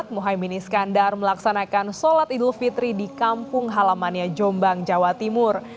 muhaymin iskandar melaksanakan sholat idul fitri di kampung halamannya jombang jawa timur